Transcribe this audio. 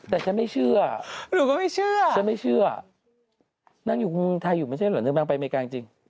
แต่ฉันไม่เชื่อรู้ก็ไม่เชื่อหนังอยู่มือไทยไม่ใช่หรอถ้านั่งไปอเมริกาจริง